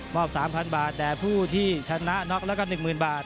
๓๐๐บาทแต่ผู้ที่ชนะน็อกแล้วก็๑๐๐๐บาท